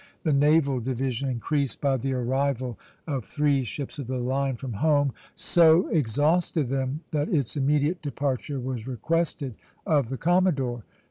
The naval division, increased by the arrival of three ships of the line from home, so exhausted them that its immediate departure was requested of the commodore.